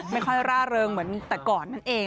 ไม่ค่อยร่าเริงเหมือนแต่ก่อนนั่นเอง